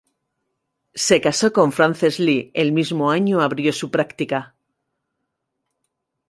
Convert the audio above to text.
Se casó con Frances Lee el mismo año abrió su práctica.